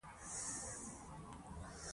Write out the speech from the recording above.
پښتو ژبه باید د نړۍ په کچه وپیژندل شي.